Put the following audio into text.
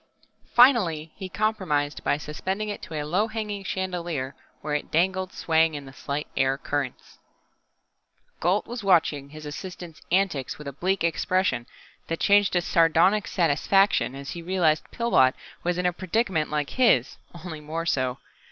Finally he compromised by suspending it to a low hanging chandelier, where it dangled swaying in the slight air currents. Gault was watching his assistant's antics with a bleak expression that changed to sardonic satisfaction as he realized Pillbot was in a predicament like his only more so.